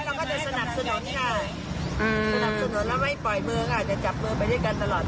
๒๕๐สวไม่ได้มาจากการแต่งตั้งไม่ได้มาจากการเลือกตั้งประกาศ